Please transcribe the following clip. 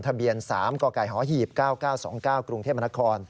ทะเบียน๓กกหีบ๙๙๒๙กรุงเทพมนคร